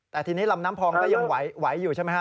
แต่ทีนี้ลำน้ำพองก็ยังไหวอยู่ใช่ไหมฮะ